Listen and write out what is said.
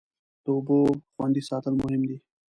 د اوبو خوندي ساتل مهم دی.